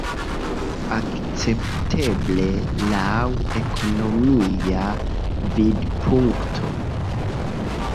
Akcepteble, laŭ ekonomia vidpunkto.